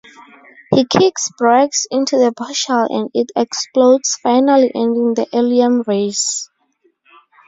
He kicks Brax into the portal and it explodes finally ending the alien race.